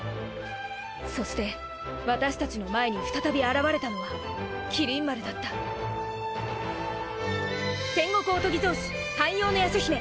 そして私たちの前に再び現れたのは麒麟丸だった戦国御伽草子半妖の夜叉姫！